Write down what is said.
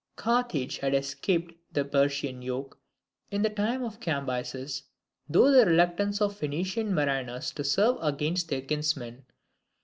Carthage had escaped the Persian yoke in the time of Cambyses, through the reluctance of the Phoenician mariners to serve against their kinsmen.